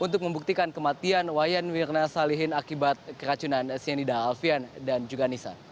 dan wayan mirna salihin akibat keracunan sianida alfian dan juga nisa